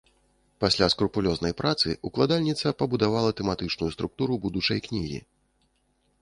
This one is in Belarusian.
Пасля скрупулёзнай працы ўкладальніца пабудавала тэматычную структуру будучай кнігі.